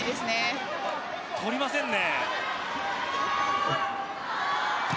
取りませんね。